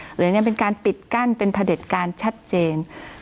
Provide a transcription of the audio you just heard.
หรือยังเป็นการปิดกั้นเป็นพระเด็จการชัดเจน